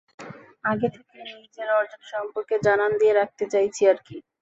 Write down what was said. আগে থেকেই নিজের অর্জন সম্পর্কে জানান দিয়ে রাখতে চাইছি আরকি।